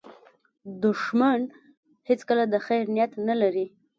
دښمن هیڅکله د خیر نیت نه لري